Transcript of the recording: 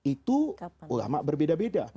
itu ulama berbeda beda